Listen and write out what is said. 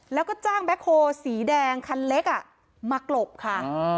แล้วก็จ้างแบ็คโฮล์สีแดงคันเล็กอ่ะมากรบค่ะอ๋อ